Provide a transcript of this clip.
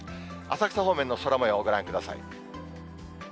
浅草方面の空もよう、ご覧ください。